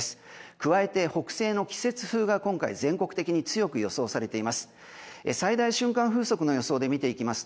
加えて、北西の季節風が全国的に強く予想されています。